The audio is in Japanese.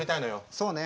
そうね。